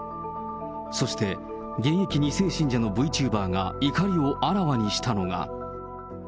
そして、現役２世信者のＶチューバーが怒りをあらわにしたのが。